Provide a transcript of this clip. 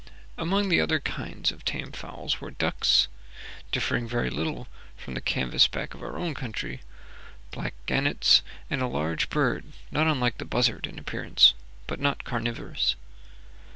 Among the other kinds of tame fowls were ducks, differing very little from the canvass back of our own country, black gannets, and a large bird not unlike the buzzard in appearance, but not carnivorous.